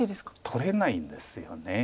取れないんですよね。